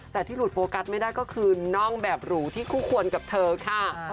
แต่ที่หลุดโฟกัสไม่ได้ก็คือน่องแบบหรูที่คู่ควรกับเธอค่ะ